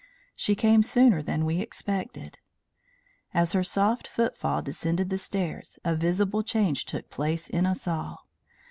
She came sooner than we expected. As her soft footfall descended the stairs a visible change took place in us all.